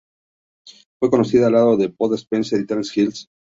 Fue conocida al lado de Bud Spencer y Terence Hill.